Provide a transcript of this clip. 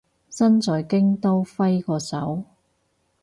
身在京都揮個手